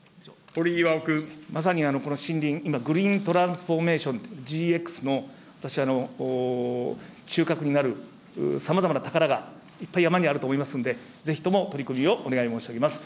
まさにこの森林、今まさに、グリーン・トランス・フォーメーション・ＧＸの私、収穫になるさまざまな宝が、いっぱい山にあると思いますので、ぜひとも取り組みをお願い申し上げます。